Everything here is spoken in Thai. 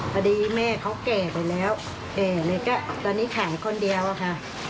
พอดีแม่เขาแก่ไปแล้วแก่เลยก็ตอนนี้ขายคนเดียวอะค่ะ